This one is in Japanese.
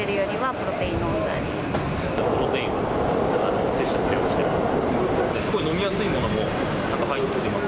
プロテインを摂取するようにしています。